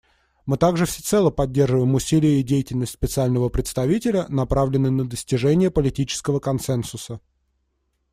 Мы также всецело поддерживаем усилия и деятельность Специального представителя, направленные на достижение политического консенсуса.